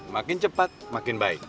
makin cepat makin baik